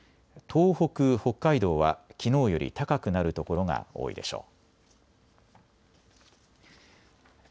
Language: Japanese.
東北、北海道はきのうより高くなる所が多いでしょう。